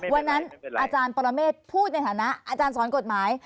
อาจารย์ปรเมฆพูดในฐานะอาจารย์สอนกฎหมาย